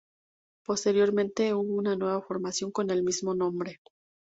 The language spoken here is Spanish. Posteriormente hubo una nueva formación con el mismo nombre.